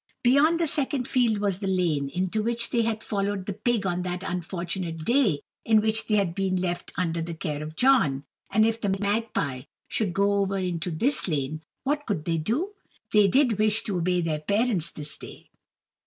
Beyond the second field was the lane, into which they had followed the pig on that unfortunate day in which they had been left under the care of John; and if the magpie should go over into this lane, what could they do? They did wish to obey their parents this day.